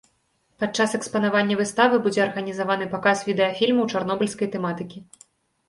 Пад час экспанавання выставы будзе арганізаваны паказ відэафільмаў чарнобыльскай тэматыкі.